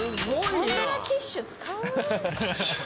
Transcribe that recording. そんなティッシュ使う？